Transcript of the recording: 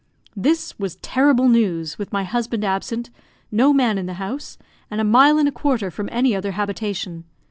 This was terrible news, with my husband absent, no man in the house, and a mile and a quarter from any other habitation.